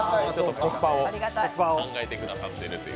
コスパを考えてくださってるという。